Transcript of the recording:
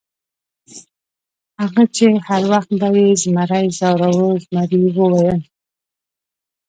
هغه چې هر وخت به یې زمري ځوراوه، زمري وویل.